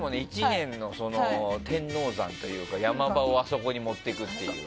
１年の天王山というか山場をあそこに持っていくという。